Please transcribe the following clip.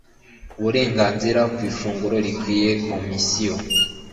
uburenganzira ku ifunguro rikwiye komisiyo